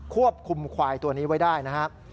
ควบคุมควายตัวนี้ไว้ได้นะครับ